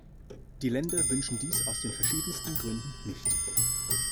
Die Länder wünschen dies aus den verschiedensten Gründen nicht.